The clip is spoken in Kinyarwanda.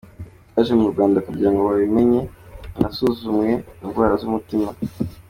Twaje mu Rwanda kugira ngo babimenye, banasuzumwe indwara z’umutima.